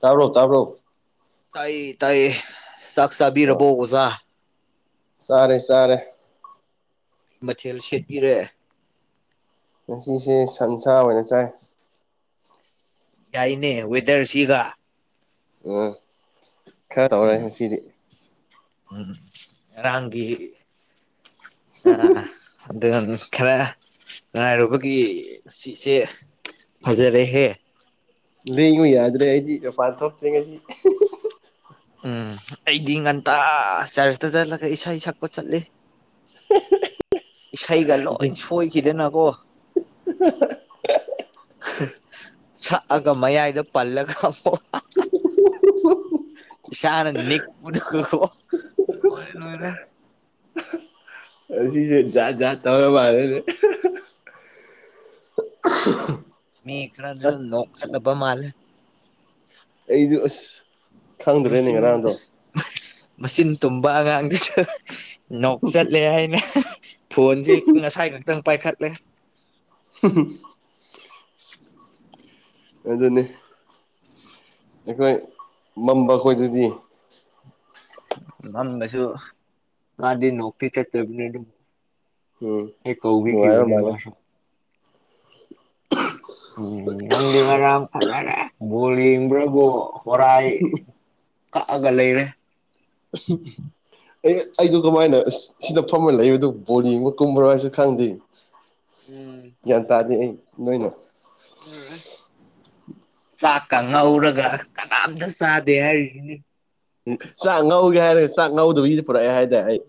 ꯇꯥꯔꯣ ꯇꯥꯥꯎꯔꯣ ꯇꯥꯏ ꯇꯥꯏ ꯆꯥꯛ ꯆꯥꯕꯤꯔꯔꯕꯣ ꯑꯣꯖꯥ ꯁꯥꯔꯦ ꯁꯥꯔꯦ ꯃꯊꯦꯜ ꯁꯦꯠꯄꯤꯔꯦ ꯉꯁꯤꯁꯦ ꯁꯟꯁꯥ ꯑꯣꯏꯅ ꯆꯥꯏ ꯌꯥꯏꯅꯦ ꯋꯦꯗꯔꯁꯤꯒ ꯎꯝ ꯈꯔ ꯇꯧꯔꯦ ꯉꯁꯤꯗꯤ ꯎꯝ ꯔꯥꯒꯤꯤ ꯑ ꯑꯗꯨ ꯈꯔ ꯉꯉꯥꯏꯔꯨꯕꯒꯤ ꯁꯤꯁꯦ ꯐꯖꯔꯦꯍꯦ ꯂꯩꯉꯨ ꯌꯥꯗ꯭ꯔꯦ ꯑꯩꯗꯤ ꯃꯄꯥꯟ ꯊꯣꯛꯇ꯭ꯦ ꯉꯁꯤ ꯎꯝ ꯑꯩꯗꯤ ꯉꯟꯇꯥ ꯆꯔꯆꯇ ꯆꯠꯂꯒ ꯏꯁꯩ ꯁꯛꯄ ꯆꯠꯂꯤ [unintelligible] ꯏꯁꯩꯒ ꯂꯣꯏ ꯁꯣꯏꯈꯤꯗꯅꯀꯣ ꯁꯛꯑꯒ ꯃꯌꯥꯏꯗ ꯄꯜꯂꯒ ꯑꯃꯨꯛ [inaudible] ꯁꯅ ꯅꯤꯛ ꯄꯨ ꯂ ꯂꯣꯏꯣꯏꯔꯦ ꯄꯁꯤꯁꯦ ꯌꯥ ꯌꯥ ꯊꯧꯔ ꯃꯥꯔꯦꯅꯦ ꯎ ꯃꯤ ꯏꯈꯁꯨꯣ ꯂꯣꯛ ꯆ ꯗ ꯃꯥꯜ ꯑꯩꯗꯨꯁ ꯃꯆꯤꯟ ꯃꯆꯤꯟ ꯇꯨꯝꯕ ꯑꯉꯥꯡꯁꯤꯁꯨ ꯅꯣꯛ ꯆꯠꯂꯦ ꯍꯥꯏꯅ ꯐꯣꯟꯁꯦ ꯉꯁꯥꯏ ꯈꯛꯇꯪ ꯄꯥꯏꯈꯠꯂꯦ ꯎ ꯑꯗꯨꯅꯤ ꯑꯩꯈꯣꯏ ꯃꯝꯕ ꯈꯈꯣꯏꯗꯗꯤ ꯃꯝꯕꯁꯨ ꯃꯥꯗꯤ ꯅꯣꯛꯇꯤ ꯆꯠꯇꯕꯅꯤ ꯑꯗꯨꯝ ꯎꯝ ꯑꯦ ꯀꯧꯒꯤ ꯅꯨꯡꯉꯥꯏꯕ ꯀꯤꯕꯅꯦ ꯃꯥꯜꯂꯦ ꯃꯥꯁ ꯎꯝ ꯅꯪꯗꯤ ꯑꯔꯝ ꯐꯖꯔꯦ ꯣꯂꯤ꯭ꯔꯕꯣ ꯍꯣꯔꯥꯏ ꯀꯛꯑꯒ ꯂꯩꯔꯦ ꯎ ꯑꯦ ꯑꯩꯗꯨ ꯀꯃꯥꯏꯅ ꯁꯤꯗ ꯐꯝꯃ ꯂꯩꯕꯗꯨ ꯕꯣꯜ ꯌꯦꯡꯕ ꯀꯨꯝꯕ꯭ꯔꯣ ꯍꯥꯏꯁꯨ ꯈꯪꯗꯦ ꯎꯝ ꯒ꯭ꯌꯥꯟ ꯇꯥꯗꯦ ꯑꯩ ꯅꯣꯏꯅ ꯆꯥꯛꯀ ꯉꯧꯔꯒ ꯀꯅꯥꯝꯇ ꯆꯥꯗꯦ ꯍꯥꯏꯔꯤꯁꯤꯅꯤ ꯎꯝ ꯆꯥꯛ ꯉꯧꯒꯦ ꯍꯥꯏꯔꯒꯦ ꯆꯥꯛ ꯉꯧꯗꯕꯒꯤꯗꯤ ꯄꯨꯔꯛꯑꯦ ꯍꯥꯏꯇꯥꯔꯦ ꯑꯩ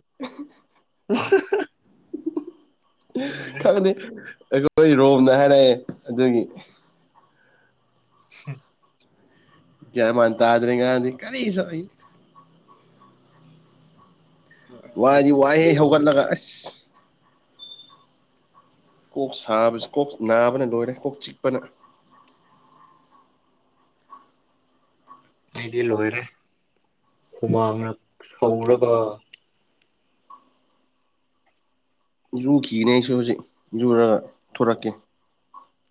ꯎ ꯈꯪꯅꯤꯦ ꯑꯩꯈꯣꯏ ꯔꯣꯝꯅ ꯍꯥꯏꯔꯛꯑꯦ ꯑꯗꯨꯒꯤ ꯎ ꯖꯃꯟ ꯇꯥꯗꯔꯤꯒꯥꯟꯗꯗꯤ ꯀꯔꯤ ꯁ ꯋꯥꯗꯤ ꯋꯥꯏꯍꯦ ꯍꯧꯒꯠꯂꯒ ꯑꯁ ꯀꯣꯛ ꯁꯥꯕꯕꯁꯤ ꯀꯣꯛ ꯅꯥꯕꯅ ꯂꯣꯏꯔꯦ ꯀꯣꯛ ꯆꯤꯛꯄꯅ ꯑꯩꯗꯤ ꯂꯣꯏꯔꯦ ꯍꯨꯃꯥꯡꯂꯛ ꯁꯧꯔꯒ ꯌꯨꯈꯤꯅꯦ ꯑꯩꯁꯨ ꯍꯧꯖꯤꯛ ꯌꯨꯔꯒ ꯊꯣꯔꯛꯀꯦ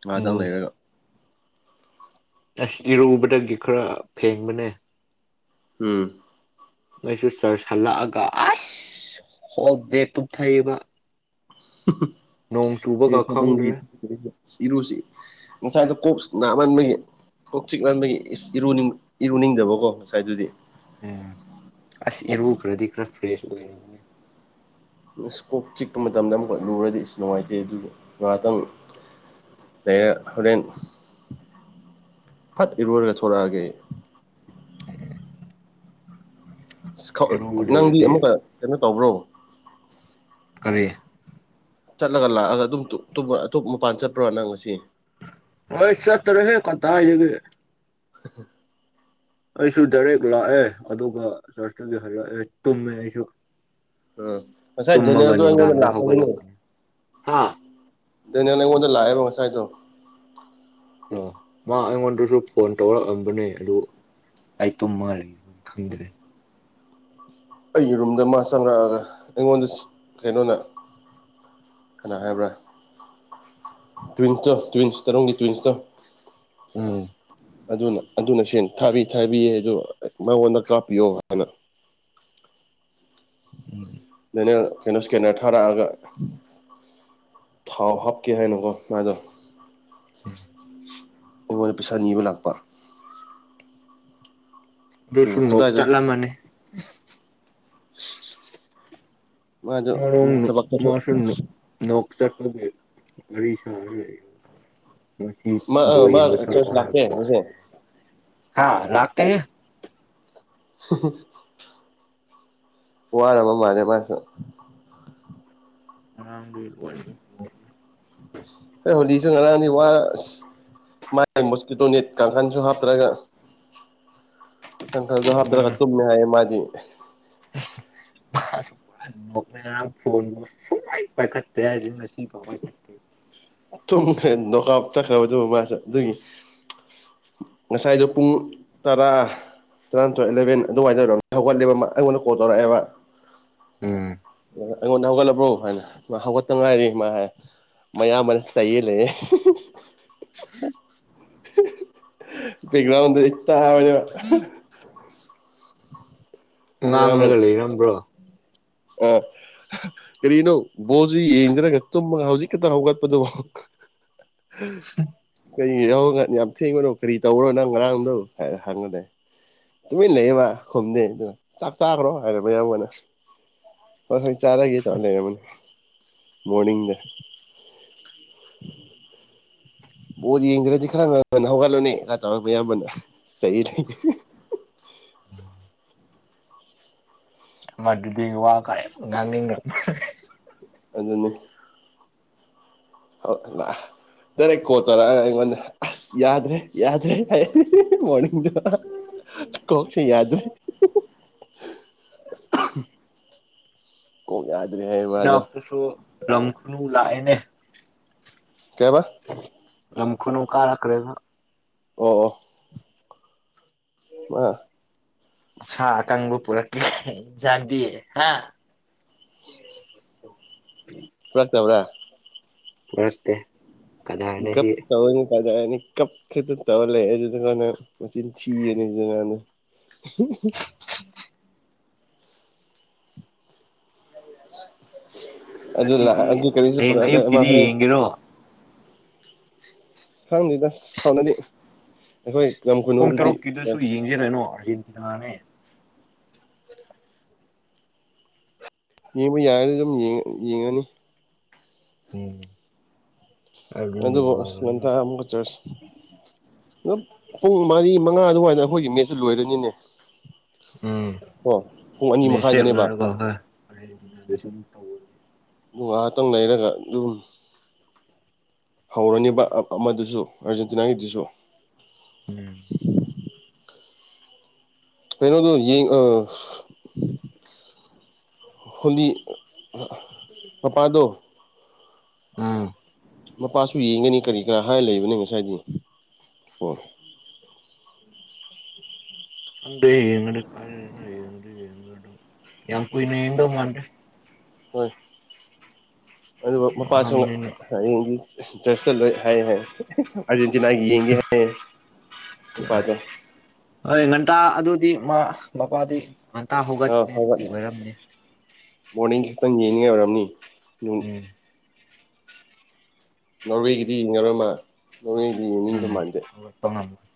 ꯉꯥꯗꯪ ꯎꯝ ꯂꯩꯔꯒ ꯑꯁ ꯏꯔꯨꯕꯗꯒꯤ ꯈꯔ ꯐꯦꯡꯕꯅꯦ ꯎꯝ ꯅꯣꯏꯁꯨ ꯆꯔꯆ ꯍꯜꯂꯛꯑꯒ ꯑꯁ ꯍꯣꯜ ꯗꯦ ꯇꯨꯝꯊꯩꯑꯕ ꯆꯨꯕꯒ ꯈꯪꯗ꯭ꯔꯦ ꯐ ꯏꯔꯨꯁꯤ ꯉꯁꯥꯏꯗ ꯀꯣꯛꯁ ꯅꯥꯃꯟꯕꯒꯤ ꯀꯣꯛꯆꯤꯛ ꯂꯟꯕꯒꯤ ꯏ ꯏꯔꯨꯅꯤꯡꯗꯕꯀꯣ ꯉꯁꯥꯏꯗꯨꯗꯤ ꯎꯝ ꯑꯁ ꯑꯦꯔꯨ ꯈꯔꯗꯤ ꯈꯔ ꯐ꯭ꯔꯦꯁ ꯑꯣꯏꯔꯝꯅꯦ ꯏꯁꯀꯣꯞ ꯆꯤꯛꯄ ꯃꯇꯝꯗ ꯑꯃꯨꯛꯀ ꯂꯨꯔꯗꯤ ꯑꯩꯁꯨ ꯅꯨꯡꯉꯥꯏꯇꯩ ꯑꯗꯨ ꯉꯥꯏꯍꯥꯛꯇꯪ ꯂꯩꯔꯦ ꯍꯣꯔꯦꯟ ꯐꯠ ꯏꯔꯨꯔꯒ ꯊꯂꯛꯑꯒꯦ ꯍ ꯅꯪꯗꯤ ꯑꯃꯨꯛꯀ ꯀꯩꯅꯣ ꯇꯧꯕ꯭ꯔꯣ ꯀꯔꯤ ꯆꯠꯂꯒ ꯂꯥꯛꯑꯒ ꯑꯗꯨꯝ ꯑꯇꯣꯞ ꯃꯄꯥꯟ ꯆꯠꯄ꯭ꯔꯣ ꯅꯪ ꯉꯁꯤ ꯍꯣꯏ ꯆꯠꯇꯔ ꯍꯦ ꯀꯗꯥ ꯍꯥꯏꯖꯒꯦ ꯍ ꯑꯩꯁꯨ ꯗꯥꯏꯔꯦꯛ ꯂꯥꯛꯑꯦ ꯑꯗꯨꯒ ꯆꯔꯇꯒꯤ ꯍꯜꯂꯛꯑꯦ ꯇꯨꯝꯃꯦ ꯑꯩꯁꯨ ꯎꯝ ꯑꯁꯥꯏ ꯇꯨꯝꯃꯒ ꯖꯅꯦꯦꯜꯗꯨ ꯅꯨꯡꯗꯥꯡꯗ ꯂꯥꯛꯇꯅꯦ ꯍꯧꯒꯠꯂꯛꯄꯅꯦ ꯍꯥ ꯗꯩꯅꯪ ꯅ ꯑꯩꯉꯣꯟꯗ ꯂꯥꯛꯑꯦꯕ ꯉꯁꯥꯏꯗꯣ ꯑꯣ ꯃꯥ ꯑꯩꯉꯣꯟꯗꯁꯨ ꯐꯣꯟ ꯇꯧꯔꯛꯑꯝꯕꯅꯦ ꯑꯗꯨ ꯑꯩ ꯇꯨꯝꯃꯒ ꯂꯩꯕꯒꯤ ꯈꯪꯗ꯭ꯔꯦ ꯑꯩꯒꯤ ꯔꯨꯝꯗ ꯃꯥ ꯆꯪꯪꯂꯛꯑꯒ ꯑꯩꯉꯣꯟꯗ ꯀꯩꯅꯣꯅ ꯀꯅꯥꯟ ꯍꯥꯏꯕ꯭ꯔꯥ ꯇ꯭ꯋꯤꯟꯇ ꯇ꯭ꯋꯤꯟꯁ ꯇꯔꯨꯛꯅꯤ ꯇ꯭ꯋꯤꯟꯁꯇ ꯎꯝ ꯑꯗꯨꯅ ꯑꯗꯨꯅ ꯁꯦꯡ ꯊꯥꯕꯤ ꯊꯥꯕꯤꯌꯦ ꯑꯗꯣ ꯃꯉꯣꯟꯗ ꯀꯥꯞꯄꯤꯌꯣ ꯍꯥꯏꯅ ꯎꯝ ꯑꯩꯅ ꯀꯩꯅꯣ ꯏꯁꯀꯦꯟꯅꯔ ꯊꯥꯔꯛꯑꯒ ꯊꯥꯎ ꯍꯥꯞꯀꯦ ꯍꯥꯏꯅꯒꯣ ꯃꯥꯗꯣ ꯑꯣꯍꯣꯏ ꯄꯩꯁꯥ ꯅꯤꯕ ꯂꯥꯛꯄ ꯖꯨ ꯑꯗꯨꯁꯨ ꯅꯣꯛ ꯀꯗꯥꯏꯗ ꯆꯠꯂꯝꯃꯅꯤ ꯃꯥꯗꯣ ꯃꯔꯣꯡ ꯃꯨꯛ ꯊꯕꯛ ꯆꯠꯊꯣꯛ ꯃꯥꯁꯨ ꯅꯣꯛ ꯆꯠꯄꯒꯤ ꯋꯥꯔꯤ ꯁꯒꯥꯔꯤ ꯃꯊꯤ ꯃꯥ ꯕꯣꯏ ꯃꯥ ꯌꯥꯡꯕ ꯊꯣꯔꯛꯑꯣ ꯆꯔꯆ ꯂꯥꯛꯇꯦ ꯉꯁꯤ ꯍꯥꯏꯕꯔꯦꯍꯦ ꯍ ꯂꯥꯛꯇꯦꯍꯦ ꯍ ꯍ ꯋꯥꯔꯕ ꯃꯥꯅꯦ ꯃꯥꯁꯨ ꯑꯉꯥꯡꯕꯩ [inaudible] ꯍꯣꯏ ꯍꯣꯂꯤꯁꯨ ꯉꯔꯅꯤ ꯋꯥꯔ ꯑꯁ ꯃꯥꯏ ꯃꯨꯁꯀꯤꯇꯣꯅꯤꯠ ꯀꯥꯡꯈꯟꯁꯨ ꯍꯥꯞꯇꯔꯒ ꯑꯪ ꯀꯜꯗꯣ ꯍꯥꯞꯇ꯭ꯔꯒ ꯇꯨꯝꯃꯦ ꯍꯥꯏꯌꯦ ꯃꯥꯗꯤ ꯐꯥꯁꯨꯃ ꯑꯟꯃꯣꯛꯅꯦ ꯉꯔꯥꯡ ꯐꯣꯟꯕꯨ ꯁꯨꯡ ꯃꯥꯏ ꯄꯥꯏꯈꯠꯇꯦ ꯍꯥꯏꯔꯗꯤ ꯉꯁꯤꯐꯥꯎ ꯄꯥꯏꯈꯠꯇꯦ ꯊꯨꯝꯈ꯭ꯔꯦ ꯅꯣꯛꯑꯞ ꯆꯠꯈ꯭ꯔꯕꯗꯨ ꯃꯥꯁꯨ ꯑꯗꯨꯒꯤ ꯉꯁꯥꯏꯗꯣ ꯄꯨꯡ ꯇꯔꯥ ꯇꯔꯥꯟꯊꯣꯏ ꯑꯦꯂꯚꯦꯟ ꯑꯗꯨꯋꯥꯏꯗ ꯔꯣꯃꯤ ꯍꯧꯒꯠꯂꯤꯕ ꯃ ꯑꯩꯉꯣꯟꯗ ꯀꯣꯜ ꯇꯧꯔꯛꯑꯦꯕ ꯎꯝ ꯑꯩꯉꯣꯟꯗ ꯍꯧꯒꯠꯂꯕ꯭ꯔꯣ ꯍꯥꯏꯅ ꯃꯥ ꯍꯧꯒꯠꯇ ꯉꯥꯏꯔꯤ ꯃꯥ ꯍꯥꯏ ꯃꯌꯥꯝꯕꯅ ꯆꯩꯌꯦ ꯂꯩꯌꯦ ꯍ ꯄꯤꯒꯔ꯭ꯟꯗ ꯑꯩ ꯇꯥꯑꯅꯦꯕ ꯃꯌꯥꯝꯕꯅ ꯉꯥꯡꯔꯒ ꯂꯩꯔꯝꯕ꯭ꯔꯣ ꯑ ꯀꯔꯤꯅꯣ ꯕꯣꯜꯖꯨ ꯌꯦꯡꯗꯔꯒ ꯇꯨꯝꯃꯒ ꯍꯧꯖꯤꯛ ꯈꯛꯇ ꯍꯧꯒꯠꯄꯗꯨꯕꯣ ꯍ ꯀꯔꯤ ꯌꯥꯍꯧ ꯉ ꯌꯥꯝ ꯊꯦꯡꯕꯅꯣ ꯀꯔꯤ ꯇꯧꯔ ꯅꯪ ꯉꯔꯥꯡꯗꯣ ꯍꯥꯏ ꯍꯪꯉꯂꯦ ꯇꯨꯃꯤꯟ ꯂꯩꯌꯦꯃ ꯈꯨꯝꯗꯦ ꯑꯗꯨ ꯆꯥꯛ ꯆꯥꯒ꯭ꯔꯣ ꯍꯥꯏꯔ ꯃꯌꯥꯝꯒꯣꯅ ꯍꯣꯏ ꯍꯣꯏ ꯆꯥꯔꯒꯦ ꯇꯧꯔ ꯂꯩꯔꯝꯃꯅꯤ ꯃꯣꯔꯗꯤꯡꯗ ꯕꯣꯟ ꯌꯦꯡꯗ꯭ꯔꯗꯤ ꯈꯔ ꯉꯟꯅ ꯍꯧꯒꯠꯂꯨꯅꯦ ꯉꯥ ꯇꯧꯔ ꯕꯌꯥꯝꯕꯅ ꯆꯩꯔꯦ ꯎꯝ ꯃꯗꯨꯗꯤ ꯋꯥ ꯀꯥꯏ ꯉꯥꯡꯅꯤꯡꯅ ꯑꯗꯨꯟꯅꯦ ꯍꯛ ꯅ ꯇꯔꯦ ꯀꯣꯜ ꯇꯣꯔꯑꯒ ꯑꯩꯉꯣꯟꯗ ꯑꯁ ꯌꯥꯗ꯭ꯔꯦ ꯌꯥꯗ꯭ꯔꯦ ꯍꯥꯏꯌꯦ [unintelligible] ꯀꯣꯛꯁꯦ ꯌꯥꯗ꯭ꯔꯦ [unintelligible] ꯀꯣꯛ ꯌꯥꯗ꯭ꯔꯦ ꯍꯥꯏꯎꯞ ꯏꯅꯥꯛꯇꯁꯨ ꯂꯝ ꯈꯨꯅꯨ ꯂꯥꯛꯑꯦꯅꯦ ꯀꯩꯕ ꯂꯝ ꯈꯨꯅꯨ ꯀꯥꯔꯈ꯭ꯔꯦꯕ ꯑꯣ ꯑꯣ ꯃꯥ ꯁꯥ ꯑꯀꯪꯕ ꯄꯨꯔꯛꯇꯦ ꯍꯩ ꯖꯗꯦ ꯍ ꯄꯨꯔꯛ ꯇꯕ꯭ꯔꯥ ꯄꯨꯔꯛꯇꯦ ꯀꯗꯔꯅꯦ ꯒꯞ ꯁꯤ ꯇꯧꯋꯅꯤ ꯐꯖꯔꯅꯤ ꯀꯞꯈꯦꯗ ꯇꯧ ꯂꯩꯏ ꯑꯗꯨꯗꯨꯅ ꯅꯪ ꯃꯆꯤꯟ ꯊꯤꯕꯅꯦ ꯗꯨꯉꯥꯡꯗꯣ [inaudible] ꯑꯁ ꯑꯗꯨ ꯂ ꯉꯁꯤꯗꯤ ꯑꯗꯨ ꯀꯔꯤꯁꯨ ꯄꯨꯔ ꯍꯌꯦꯡ ꯑꯃ ꯑꯌꯨꯛꯀꯤꯗꯤ ꯍꯣꯔꯦꯟ ꯌꯦꯡꯒꯦꯔꯣ ꯈꯪꯗꯦꯗ ꯀꯥꯎꯅꯗꯤ ꯑꯩꯈꯣꯏ ꯀꯌꯝ ꯄꯨꯡ ꯀꯨꯏꯅꯅꯣꯗꯨꯗꯤ ꯇꯔꯨꯛꯀꯤꯗꯨꯁꯨ [unintelligible] ꯌꯦꯡꯕ ꯌꯥꯔꯗꯤ ꯑꯗꯨꯝ ꯌꯦꯡ ꯌꯦꯡꯉꯅꯤ ꯎꯝ ꯑꯗꯨ ꯑꯗꯨꯒ ꯑꯁ ꯅꯨꯡꯉꯥꯏꯒꯅꯤꯕ ꯉꯟꯇ ꯑꯃꯨꯛꯀ ꯆ꯭ꯔꯁ ꯄꯨꯡ ꯃꯔꯤ ꯃꯉꯥ ꯑꯗꯨꯋꯥꯏꯗ ꯑꯩꯈꯣꯏꯒꯤ ꯃꯦꯠꯁꯨ ꯂꯣꯏꯗꯣꯏꯅꯤꯅꯦ ꯎꯝ ꯄꯨꯡ ꯑꯅꯤ ꯃꯦꯁꯦ ꯍꯦꯛ ꯃꯈꯥꯏꯗꯅꯦꯕ ꯂꯣꯏꯔꯒꯀꯣ ꯍꯣꯏ ꯍꯣꯔꯦꯟꯅ ꯑꯗꯨꯁꯨ ꯑꯃ ꯇꯧ ꯉꯥꯏꯍꯥꯛꯇꯪ ꯂꯩꯔꯒ ꯑꯗꯨꯝ ꯍꯧꯔꯅꯤꯕ ꯑ ꯑꯃꯗꯨꯁꯨ ꯑꯥꯔꯖꯦꯟꯇꯤꯅꯥꯒꯤꯗꯨꯁꯨ ꯎꯝ ꯀꯩꯅꯣ ꯑꯗꯨ ꯌꯦꯡ ꯑ ꯍꯣꯂꯤ ꯃꯄꯥꯗꯣ ꯎꯝ ꯃꯄꯥꯁꯨ ꯌꯦꯡꯒꯅꯤ ꯀꯔꯤ ꯀꯔꯥ ꯍꯥꯏꯔ ꯂꯩꯕꯅꯦ ꯉꯁꯥꯏꯗꯤ ꯑꯣ ꯈꯡꯗꯦ ꯌꯦꯡꯉꯗꯤ [inaudible] ꯌꯥꯝ ꯀꯨꯏꯅ ꯌꯦꯡꯗꯧ ꯃꯥꯟꯗꯦ ꯍꯣꯏ ꯑꯗꯨꯒ ꯃꯄꯥꯁꯨ ꯑꯍꯟꯅꯤꯅ ꯍꯥꯌꯦꯡꯗꯤ ꯆ꯭ꯔꯁ ꯆꯠꯂꯣꯏ ꯍꯥꯏꯌꯦ ꯍꯥꯏ ꯑꯔꯖꯦꯟꯇꯤꯅꯥꯒꯤ ꯌꯦꯡꯒꯦ ꯍꯥꯏ ꯃꯄꯥꯥꯗꯣ ꯍꯣꯏ ꯉꯟꯇꯥ ꯑꯗꯨꯗꯤ ꯃꯥ ꯕꯄꯥꯗꯤ ꯉꯟꯇꯥ ꯑꯥ ꯍꯧꯒꯠꯀꯅꯤ ꯑꯗꯨꯒꯤ ꯍꯧꯒꯠ ꯑꯣꯏꯔꯝꯅꯦ ꯃꯣꯔꯅꯤꯡ ꯈꯤꯛꯇꯪ ꯌꯦꯡꯅꯤꯡꯉꯥꯏ ꯑꯣꯏꯔꯝꯅꯤ ꯅꯨꯡ ꯎꯝ ꯉꯎꯋꯦꯒꯤꯗꯤ ꯉꯔꯣꯏꯃ ꯎꯝ ꯍꯧꯒꯠꯄ ꯉꯝꯃꯣꯏ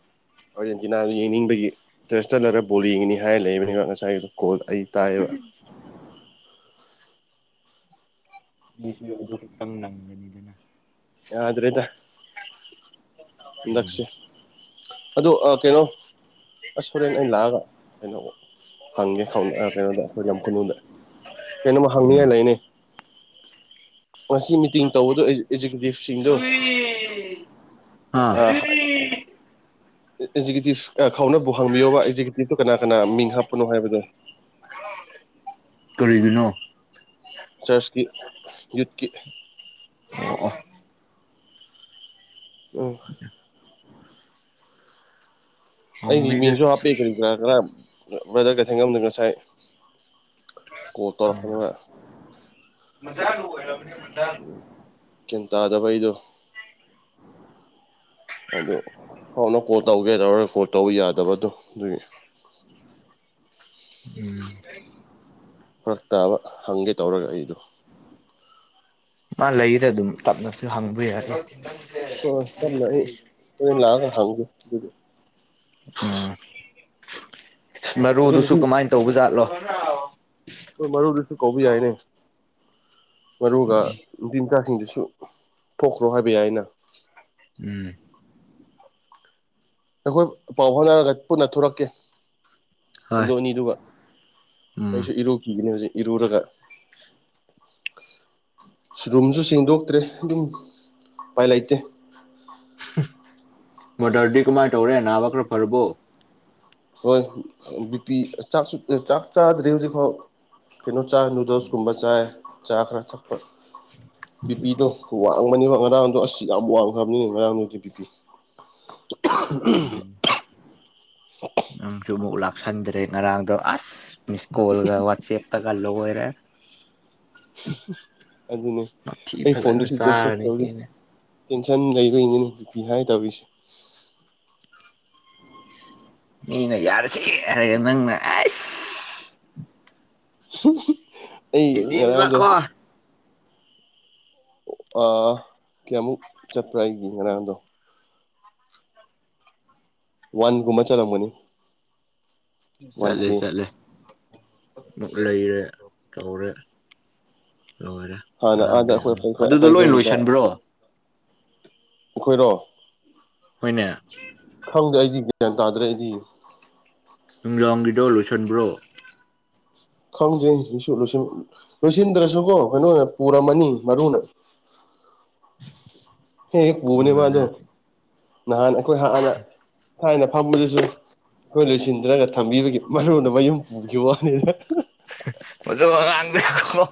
ꯑꯥꯔꯖꯦꯟꯇꯤꯅꯥꯗꯨ ꯌꯦꯡꯅꯤꯡꯕꯒꯤ ꯏꯟꯇꯔꯦꯁ ꯆꯠꯂꯒ ꯕꯣꯜ ꯌꯦꯡꯉꯅꯤ ꯍꯥꯏꯔ ꯂꯩꯕꯅꯤꯅ ꯉꯁꯥꯏꯗꯨ ꯀꯣꯜ ꯑꯩ ꯇꯥꯏꯌꯦꯕ ꯃꯤꯁꯤꯡ ꯑꯗꯨ ꯈꯛꯇꯪ ꯅꯪꯒꯅꯤꯗꯅ ꯌꯥꯗ꯭ꯔꯦꯗ ꯍꯟꯗꯛꯁꯦ ꯎꯝ ꯑꯗꯨ ꯑ ꯀꯩꯅꯣ ꯑꯁ ꯍꯣꯔꯦꯟ ꯑꯩꯅ ꯂꯥꯛꯑꯒ ꯀꯩꯅꯣ ꯍꯪꯒꯦ ꯍꯪ ꯑ ꯀꯩꯅꯣꯗ ꯑꯩꯈꯣꯏ ꯂꯝ ꯈꯨꯅꯨꯡꯗ ꯀꯩꯅꯣꯃ ꯎꯝ ꯍꯪꯅꯤꯡꯉꯥꯏ ꯂꯩꯅꯦ ꯉꯁꯤ ꯃꯤꯇꯤꯡ ꯇꯧꯕꯗꯣ ꯑꯦ ꯑꯦꯛꯖꯤꯀ꯭ꯨꯇꯤꯞꯁꯤꯡꯗꯣ ꯑ ꯎꯝ ꯑꯦꯛꯖꯤꯀ꯭ꯌꯨꯇꯤꯞ ꯑꯥ ꯈꯥꯎꯅꯕꯨ ꯍꯥꯡꯕꯤꯌꯣꯕ ꯑꯦꯛꯖꯤꯀ꯭ꯌꯨꯇꯤꯞꯇꯣ ꯀꯅꯥ ꯀꯅꯥ ꯃꯤꯡ ꯍꯥꯞꯄꯅꯣ ꯍꯥꯏꯕꯗꯣ ꯀꯔꯤꯒꯤꯅꯣ ꯆꯁꯀꯤ ꯌꯨꯠꯀꯤ ꯑꯣ ꯑꯣ ꯑꯣ ꯑꯩꯒꯤ ꯍꯪꯕꯤꯒꯦ ꯃꯤꯡꯁꯨ ꯍꯥꯞꯄꯦ ꯈꯔ ꯕ꯭ꯔꯦꯗꯔ ꯒꯥꯏꯊꯪꯉꯝꯅ ꯉꯁꯥꯏ ꯀꯣꯜ ꯇꯧꯔꯛꯄꯅꯦꯕ ꯂꯣꯏꯔꯕꯅꯦ [inaudible] ꯒ꯭ꯋꯟ ꯇꯥꯗꯕ ꯑꯩꯗꯣ ꯑꯃꯨꯛ ꯀꯣꯜ ꯇꯧꯒꯦ ꯇꯔꯥ ꯀꯣꯜ ꯇꯧꯕ ꯌꯥꯗꯕꯗꯣ ꯑꯗꯨꯒꯤ ꯎꯝ [inaudible] ꯐꯔꯛ ꯇꯥꯕ ꯍꯪꯒꯦ ꯇꯧꯔꯒ ꯑꯩꯗꯣ ꯃꯥ ꯂꯩꯗ ꯑꯗꯨꯝ ꯇꯞꯅꯁꯨ ꯍꯪꯕ ꯌꯥꯔꯦ ꯍꯣꯏ ꯇꯞꯅꯗꯤ ꯍꯣꯔꯦꯟ ꯂꯥꯛꯑꯒ ꯍꯥꯡꯒꯦ ꯑꯗꯨꯗꯤ ꯎꯝ ꯑꯗꯨ ꯃꯔꯣꯗꯨꯁꯨ ꯅꯨꯄꯤ ꯀꯃꯥꯏꯅ ꯇꯧꯕꯖꯥꯠꯂꯣ ꯍꯣꯏ ꯃꯔꯨꯗꯨꯁꯨ ꯀꯧꯕ ꯌꯥꯏꯅꯦ ꯃꯔꯨꯒ ꯅꯨꯄꯤꯃꯆꯥꯁꯤꯡꯗꯨꯁꯨ ꯊꯣꯛꯈ꯭ꯔꯣ ꯍꯥꯏꯕ ꯌꯥꯏꯅ ꯎꯝ ꯑꯩꯈꯣꯏ ꯄꯥꯎ ꯐꯥꯎꯠꯅꯔꯒ ꯄꯨꯟꯅ ꯊꯣꯛꯔꯛꯀꯦ ꯍꯣꯏ ꯑꯗꯨ ꯑꯅꯤꯗꯨꯒ ꯎꯝ ꯑꯩꯁꯨ ꯏꯔꯨꯈꯤꯒꯅꯤ ꯍꯧꯖꯤꯛ ꯏꯔꯨꯔꯒ ꯔꯨꯝꯁꯨ ꯁꯦꯡꯗꯣꯛꯇ꯭ꯔꯦ ꯑꯗꯨꯝ ꯎꯄꯥꯏ ꯂꯩꯇꯦ ꯃꯥꯗꯔꯗꯤ ꯀꯃꯥꯏ ꯇꯧꯔꯦ ꯅꯥꯕ ꯈꯔ ꯐꯔꯕꯣ ꯍꯣꯏ ꯕꯤꯄꯤ ꯆꯥꯛꯁꯨ ꯆꯥꯛ ꯆꯥꯗ꯭ꯔꯤ ꯍꯧꯖꯤꯛꯐꯥꯎ ꯀꯩꯅꯣ ꯆꯥ ꯅꯨꯗꯜꯁꯀꯨꯝꯕ ꯆꯥꯏ ꯆꯥ ꯈꯔ ꯊꯛꯄ ꯕꯤꯄꯤꯗꯣ ꯋꯥꯡꯕꯅꯤꯕ ꯉꯔꯥꯡꯗꯣ ꯑꯁ ꯌꯥꯝ ꯋꯥꯡꯈ꯭ꯔꯕꯅꯤ ꯉꯔꯥꯡꯗꯨꯗꯤ ꯕꯤꯄꯤ ꯑꯍ ꯎꯨꯝ ꯑꯥ [inaudible] ꯅꯪꯁꯨ ꯑꯃꯨꯛ ꯂꯥꯛꯁꯤꯟꯗ꯭ꯔꯦ ꯉꯔꯥꯡꯗꯣ ꯑꯁ ꯃꯤꯁ ꯀꯣꯜꯒ ꯋꯥꯆꯦꯞꯇꯒ ꯂꯣꯏꯔꯦ ꯑꯗꯨꯅꯦ ꯃꯊꯤ ꯑꯩ ꯐꯣꯟꯗ ꯐꯖꯅ ꯁꯨꯏꯠꯁ ꯑꯣꯐ ꯆꯥꯔꯅꯤ ꯆꯠꯈ꯭ꯔꯕꯅꯦ ꯁꯤꯅ ꯇꯦꯟꯁꯟ ꯂꯩꯕꯩꯅꯤꯅꯦ ꯕꯤꯄꯤ ꯍꯥꯏ ꯇꯧꯔꯤꯁꯦ ꯃꯤꯅ ꯌꯥꯔꯁꯤ ꯍꯥꯏꯔ ꯅꯪꯅ ꯑꯥꯏꯁ ꯍ ꯍ ꯑꯩ ꯉꯥꯔꯥꯡꯗꯣ ꯍꯦꯟꯖꯤꯟꯕꯀꯣ ꯑꯥ ꯀꯌꯥꯃꯨꯛ ꯆꯠꯄ꯭ꯔꯥ ꯑꯩꯒꯤ ꯉꯔꯥꯡꯗꯣ ꯋꯥꯟ ꯒꯨꯝꯕ ꯆꯠꯂꯝꯒꯅꯤ ꯋꯥꯟ ꯆꯠꯂꯦ ꯀꯦ ꯆꯠꯂꯦ ꯑꯃꯨꯛ ꯂꯩꯔꯦ ꯇꯧꯔꯦ ꯂꯣꯏꯔꯦ ꯍꯥꯟꯅ ꯑꯥꯗ ꯉꯥꯔꯥꯡꯗꯤ ꯎꯨꯝ ꯑꯩꯈꯣꯏ ꯑꯗꯨꯗ ꯂꯣꯏ ꯑꯩꯈꯣꯏꯒꯤꯗ ꯂꯣꯏꯁꯤꯟꯕ꯭ꯔꯣ ꯑꯩꯈꯣꯏꯔꯣ ꯍꯣꯏꯅꯦ ꯈꯪꯗꯦ ꯑꯩꯗꯤ ꯒ꯭ꯌꯥꯟ ꯇꯥꯗ꯭ꯔꯦ ꯑꯩꯗꯤ ꯅꯨꯡꯗꯥꯡꯒꯤꯗꯣ ꯂꯣꯏꯁꯤꯟꯕ꯭ꯔꯣ ꯈꯪꯗꯦ ꯑꯗꯨꯁꯨ ꯂꯣꯏꯁꯤꯟ ꯂꯣꯏꯁꯤꯟꯗ꯭ꯔꯁꯨꯀꯣ ꯀꯩꯅꯣꯅ ꯄꯨꯔꯝꯃꯅꯤ ꯃꯔꯨꯅ ꯍꯦꯛ ꯍꯦꯛ ꯄꯨꯕꯅꯦ ꯃꯥꯗꯣ ꯈꯪꯗꯦꯅꯦ ꯅꯍꯥꯟ ꯑꯩꯈꯣꯏ ꯍꯥꯟꯅ ꯊꯥꯏꯅ ꯐꯝꯕꯗꯨꯁꯨ ꯑꯩꯈꯣꯏ ꯂꯣꯏꯁꯤꯟꯗ꯭ꯔꯒ ꯊꯝꯕꯤꯕꯒꯤ ꯃꯔꯨꯅ ꯃꯌꯨꯝ ꯄꯨꯈꯤꯕ ꯋꯥꯅꯤꯗ ꯃꯗꯨ ꯑꯉꯥꯡꯗꯣꯀꯣ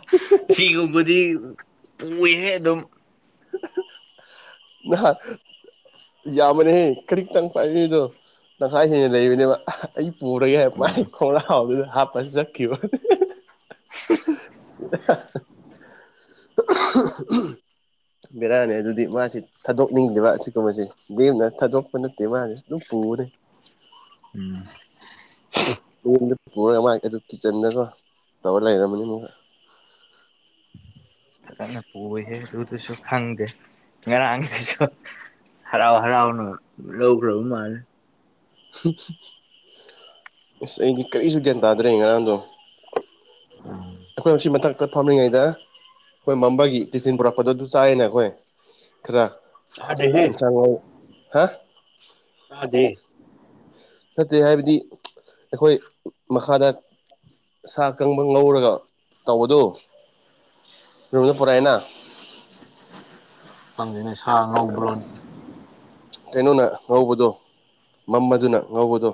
ꯁꯤꯒꯨꯝꯕꯗꯤ ꯄꯨꯏꯌꯦ ꯑꯗꯨꯝ ꯅꯍꯥꯟ ꯌꯥꯝꯕꯅꯦꯍꯦ ꯀꯔꯤꯛꯇꯪ ꯄꯥꯏꯅꯤꯗꯣ ꯇꯪꯈꯥꯏ ꯍꯦꯟꯅ ꯂꯩꯕꯅꯦꯕ ꯑꯩ ꯄꯨꯔꯒꯦ ꯍꯥꯏ ꯃꯥꯏ ꯎꯝ ꯈꯣꯡꯒ꯭ꯔꯥꯎꯗꯨꯗ ꯍꯥꯞꯄ ꯆꯠ ꯀꯤꯕ ꯋꯥꯅꯤ ꯍ ꯍ ꯍ [inaudible] ꯕꯦꯔꯥꯅꯤ ꯑꯗꯨꯗꯤ ꯃꯥꯁꯤ ꯊꯥꯗꯣꯛꯅꯤꯡꯗꯦꯕ ꯑꯁꯤꯒꯨꯝꯕꯁꯦ ꯂꯦꯝꯅ ꯊꯥꯗꯣꯛꯄ ꯅꯠꯇꯦ ꯃꯥꯁꯨ ꯑꯗꯨꯝ ꯄꯨꯕꯅꯦ ꯎꯨ [inaudible] ꯗ ꯄꯨꯔꯒ ꯃꯥꯏ ꯑꯗꯨ ꯀꯤꯠꯆꯟꯗꯒ ꯇꯧꯔ ꯂꯩꯔꯝꯃꯅꯤ ꯑꯃꯨꯛꯀꯥ ꯐꯖꯅ ꯄꯨꯏꯍꯦ ꯑꯗꯨꯗꯨꯁꯨ ꯈꯪꯗꯦ ꯉꯔꯥꯡꯗꯤꯀꯣ ꯍꯔꯥꯎ ꯍꯔꯥꯎꯅ ꯂꯧꯒ꯭ꯔꯕ ꯃꯥꯜꯂꯤ ꯑꯁ ꯑꯩꯗꯤ ꯀꯔꯤꯁꯨ ꯒ꯭ꯌꯥꯟ ꯇꯥꯗ꯭ꯔꯦ ꯉꯔꯥꯡꯗꯣ ꯎꯝ ꯑꯩꯈꯣꯏ ꯃꯁꯤ ꯃꯊꯛꯇ ꯐꯝꯂꯤꯉꯩꯗ ꯈꯣꯏ ꯃꯝꯕꯒꯤ ꯇꯤꯐꯤꯟ ꯄꯨꯔꯛꯄꯗꯣ ꯑꯗꯨ ꯆꯥꯏꯌꯦꯅꯦ ꯑꯩꯈꯣꯏ ꯈꯔ ꯆꯥꯗꯦꯍꯦ ꯏꯟꯁꯥꯡ ꯑꯍꯥꯎ ꯇꯥꯗꯦ ꯅꯠꯇꯦ ꯍꯥꯏꯕꯗꯤ ꯑꯩꯈꯣꯏ ꯃꯈꯥꯗ ꯁꯥ ꯑꯀꯪꯕ ꯉꯧꯔꯒ ꯇꯧꯕꯗꯨ ꯔꯨꯝꯗ ꯄꯨꯔꯛꯑꯦꯅ ꯈꯪꯗꯦꯅꯦ ꯁꯥ ꯉꯧꯕ꯭ꯔꯣꯅꯦ ꯀꯩꯅꯣꯅ ꯉꯧꯕꯗꯣ ꯃꯝꯕꯗꯨꯅ ꯉꯧꯕꯗꯣ